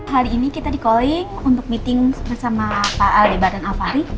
hari ini kita dikoli untuk meeting bersama pak aldebaran afari